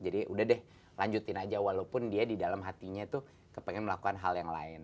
jadi udah deh lanjutin aja walaupun dia di dalam hatinya tuh kepengen melakukan hal yang lain